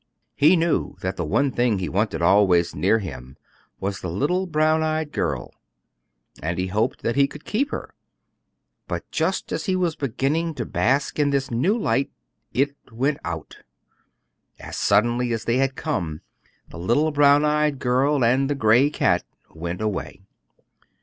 He knew that the one thing he wanted always near him was the little brown eyed girl; and he hoped that he could keep her. But just as he was beginning to bask in this new light it went out. As suddenly as they had come, the little brown eyed girl and the gray cat went away.